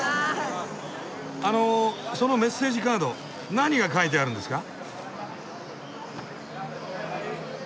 あのそのメッセージカード何が書いてあるんですか？